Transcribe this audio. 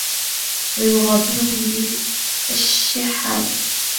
وَيُغَابِنُهُمْ بِهِ الْأَشِحَّاءُ